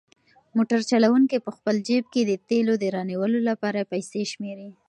موټر چلونکی په خپل جېب کې د تېلو د رانیولو لپاره پیسې شمېري.